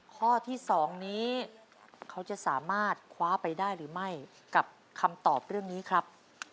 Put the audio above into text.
ข้อที่๒นี้เขาจะสามารถคว้าไปได้หรือไม่กับคำตอบเรื่องนี้ครับ